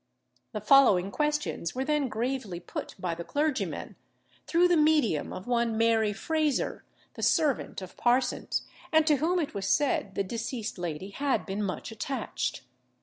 The following questions were then gravely put by the clergyman, through the medium of one Mary Frazer, the servant of Parsons, and to whom it was said the deceased lady had been much attached.